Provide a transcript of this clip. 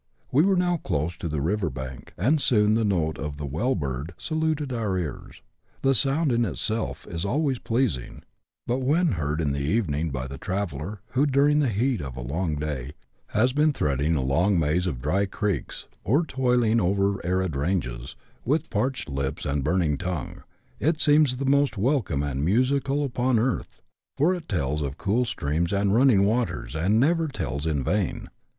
We were now close to the river bank, and soon the note of the bell bird saluted our ears. The sound, in itself, is always pleasing ; but when heard in the evening by the traveller who, during the heat of a long day, has been threading a long maze of dry creeks, or toiling over arid ranges, with parched lips and burning tongue, it seems the most welcome and musical upon earth ; for it tells of cool streams and running waters, and never tells in vain.